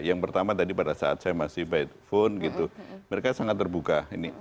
yang pertama tadi pada saat saya masih by phone gitu mereka sangat terbuka ini